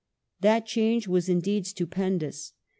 That change was indeed stupendous.